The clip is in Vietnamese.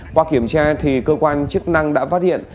qua kiểm tra cơ quan chức năng đã phát hiện